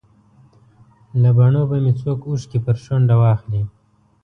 له بڼو به مې څوک اوښکې پر شونډه واخلي.